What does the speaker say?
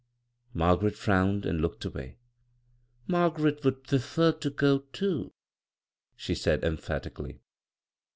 " Margaret frowned and looked away. " Margaret would pwefer to go too," she S£ud emphatically.